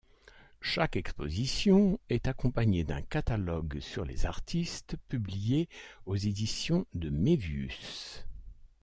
Chaque exposition est accompagnée d'un catalogue sur les artistes, publié aux Éditions de Mévius.